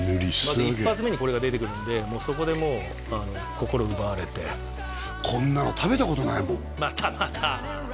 まず１発目にこれが出てくるんでそこでもう心奪われてこんなの食べたことないもんまたまた！